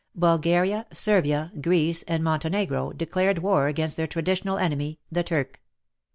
Bulgaria, Servia, Greece, and Monte negro declared war against their traditional enemy, the Turk.